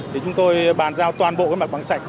thì chúng tôi bàn giao toàn bộ cái mặt bằng sạch